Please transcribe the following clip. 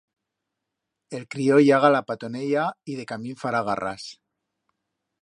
El crío ya galapatoneya y decamín fará garras.